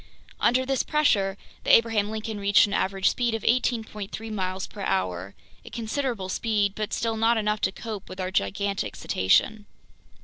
Under this pressure the Abraham Lincoln reached an average speed of 18.3 miles per hour, a considerable speed but still not enough to cope with our gigantic cetacean.